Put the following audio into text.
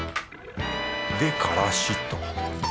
でからしっと。